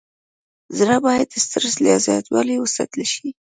زړه باید د استرس له زیاتوالي وساتل شي.